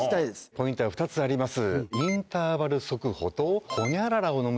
ポイントは２つあります。